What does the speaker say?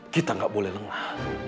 kita gak boleh lengah